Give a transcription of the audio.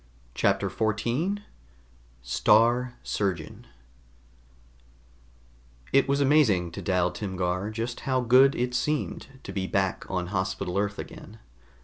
CHAPTER 14 STAR SURGEON It was amazing to Dal Timgar just how good it seemed to be back on Hospital Earth again.